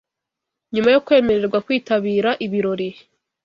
nyuma yo kwemererwa kwitabira ibirori